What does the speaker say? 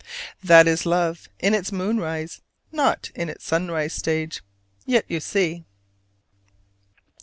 That is love in its moonrise, not its sunrise stage: yet you see.